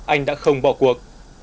anh đã không bỏ cuộc